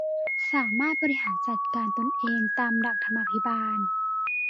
สามารถบริหารจัดการตนเองตามหลักธรรมาภิบาล